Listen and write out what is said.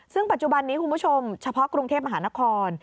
ซึ่งปัจจุบันนี้คุณผู้ชมเฉพาะกรุงเทพมหานคร